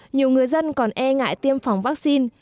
nhiều người dân còn e ngại tiêm phòng vaccine